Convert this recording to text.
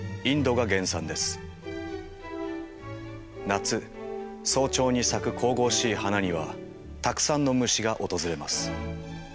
夏早朝に咲く神々しい花にはたくさんの虫が訪れます。